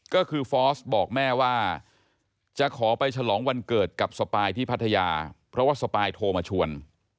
ก็คือฟอสบอกแม่ว่าจะขอไปฉลองวันเกิดกับสปายที่พัทยาเพราะว่าสปายโทรมาชวน